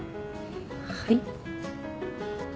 はい？